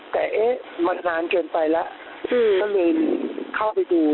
แต่เอ๊ะมันนานเกินไปแล้วก็เลยเข้าไปดู